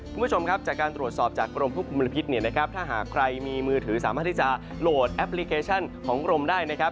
คุณผู้ชมครับจากการตรวจสอบจากกรมควบคุมมลพิษเนี่ยนะครับถ้าหากใครมีมือถือสามารถที่จะโหลดแอปพลิเคชันของกรมได้นะครับ